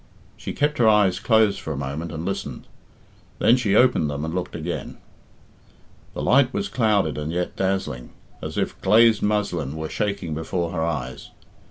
She kept her eyes closed for a moment and listened; then she opened them and looked again. The light was clouded and yet dazzling, as if glazed muslin were shaking before her eyes.